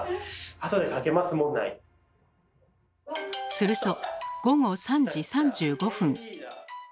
すると午後３時３５分。